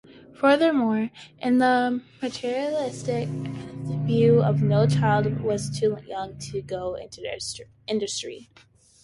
Furthermore, "in the mercantilist view no child was too young to go into industry".